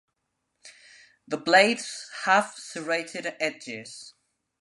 The blades have serrated edges.